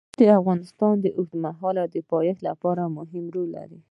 یاقوت د افغانستان د اوږدمهاله پایښت لپاره مهم رول لري.